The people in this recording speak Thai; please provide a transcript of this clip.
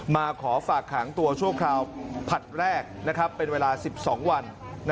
มาขอฝากขังตัวชั่วคราวผลัดแรกเป็นเวลา๑๒วัน